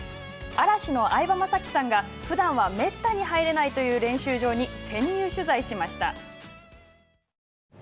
嵐の相葉雅紀さんがふだんはめったに入れないという練習場に、潜入取材しました。